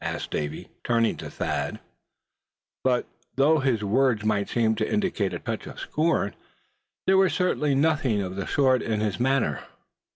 asked Davy, turning to Thad; but though his words might seem to indicate a touch of scorn, there was certainly nothing of the sort in his manner.